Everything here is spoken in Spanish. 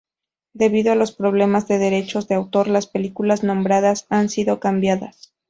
Debido a los problemas de derechos de autor, las películas nombradas han sido cambiados.